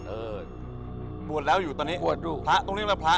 เออบวชแล้วอยู่ตัวนี้พระตรงนี้ไหมพระ